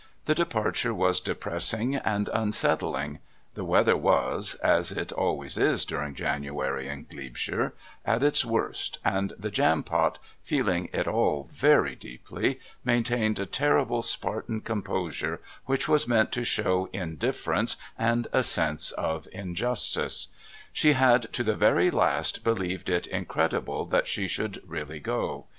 The departure was depressing and unsettling; the weather was as it always is during January in Glebeshire at its worst, and the Jampot, feeling it all very deeply, maintained a terrible Spartan composure, which was meant to show indifference and a sense of injustice. She had to the very last believed it incredible that she should really go.